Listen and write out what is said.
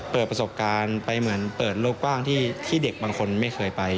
เปิดประสบการณ์ไปเหมือนเปิดโลกกว้างที่เด็กบางคนไม่เคยไป